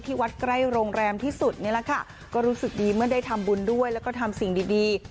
วัดใกล้โรงแรมที่สุดนี่แหละค่ะก็รู้สึกดีเมื่อได้ทำบุญด้วยแล้วก็ทำสิ่งดีดี